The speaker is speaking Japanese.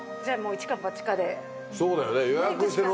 そうだよね。